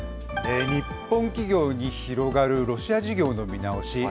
日本企業に広がるロシア事業の見直し。